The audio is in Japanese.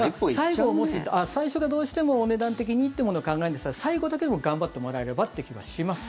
最初がどうしてもお値段的にと考えるんでしたら最後だけでも頑張ってもらえればって気はします。